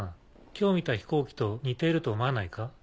今日見た飛行機と似ていると思わないか？